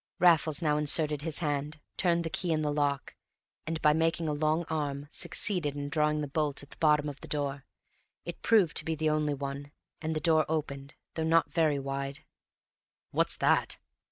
Raffles now inserted his hand, turned the key in the lock, and, by making a long arm, succeeded in drawing the bolt at the bottom of the door; it proved to be the only one, and the door opened, though not very wide. "What's that?"